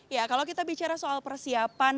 ya kalau kita bicara soal persiapan